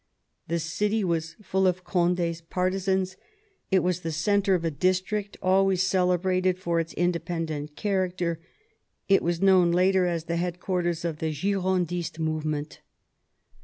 The city was full of Condi's partisans, it was the centre of a district always celebrated for its independent char acter, it was known later as the headquarters of the Girondist movement.